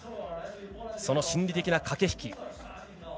その心理的な駆け引き。